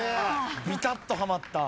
ビタッとはまった。